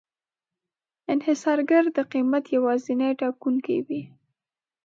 انحصارګر د قیمت یوازینی ټاکونکی وي.